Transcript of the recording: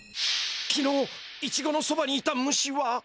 きのうイチゴのそばにいた虫は。